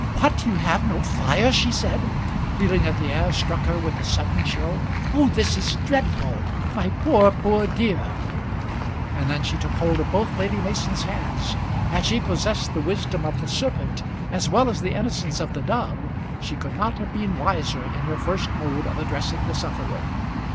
"What! you have no fire?" she said, feeling that the air struck her with a sudden chill. "Oh, this is dreadful! My poor, poor dear!" And then she took hold of both Lady Mason's hands. Had she possessed the wisdom of the serpent as well as the innocence of the dove she could not have been wiser in her first mode of addressing the sufferer.